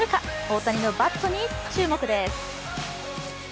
大谷のバットに注目です。